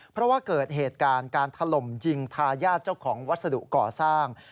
เพราะว่าเกิดเหตุการณ์การถล่มยิงทายาทเจ้าของวัสดุก่อสร้าง